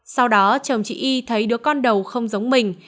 sau đó chồng chị y thấy đứa con đầu không giống mình